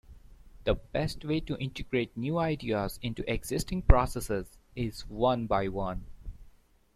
The best way to integrate new ideas into existing processes is one-by-one.